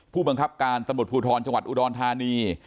ผู้บังคับการตำรวจภูทรจังหวัดอุดรธานี